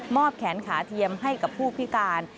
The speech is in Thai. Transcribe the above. แขนขาเทียมให้กับผู้พิการ